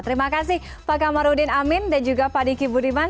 terima kasih pak kamarudin amin dan juga pak diki budiman